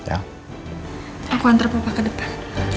aku antar pupa ke depan